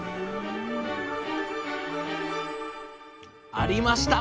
ありました！